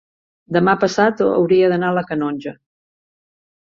demà passat hauria d'anar a la Canonja.